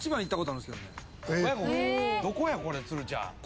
どこやこれつるちゃん。